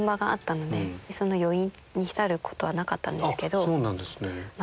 あっそうなんですね。